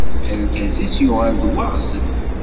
Argaz-is yuɣal-as d waɣzen.